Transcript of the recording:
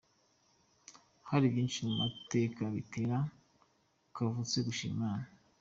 Hari byinshi mu mateka bitera Kavutse gushima Imana.